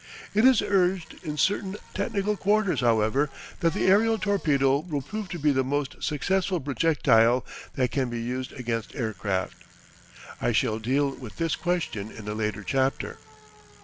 It is urged in certain technical quarters, however, that the aerial torpedo will prove to be the most successful projectile that can be used against aircraft. I shall deal with this question in a later chapter.